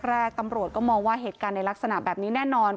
แรกตำรวจก็มองว่าเหตุการณ์ในลักษณะแบบนี้แน่นอน